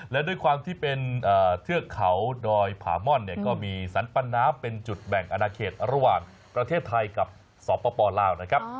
และด้วยความที่เป็นเทือกเขาดอยผาม่อนเนี่ยก็มีสรรปันน้ำเป็นจุดแบ่งอนาเขตระหว่างประเทศไทยกับสปลาวนะครับ